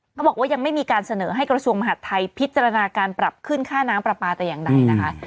เขาบอกว่ายังไม่มีการเสนอให้กระทรวงมหาดไทยพิจารณาการปรับขึ้นค่าน้ำปลาปลาแต่อย่างใดนะคะ